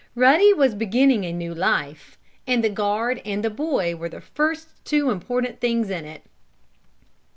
Ruddy was beginning a new life, and the guard and the boy were the first two important things in it.